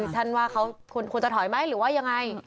ท่านว่าเขาควรจะถอยไหมหรือว่ายังไง